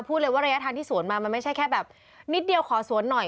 เลยว่าระยะทางที่สวนมามันไม่ใช่แค่แบบนิดเดียวขอสวนหน่อย